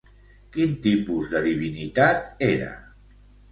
Quin tipus de divinitat era?